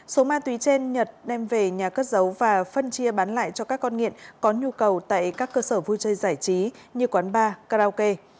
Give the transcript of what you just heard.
số ma túy trên nhật đem về nhà cất giấu và phân chia bán lại cho các con nghiện có nhu cầu tại các cơ sở vui chơi giải trí như quán bar karaoke